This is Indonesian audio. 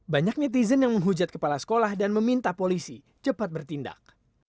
banyak netizen yang menghujat kepala sekolah dan meminta polisi cepat bertindak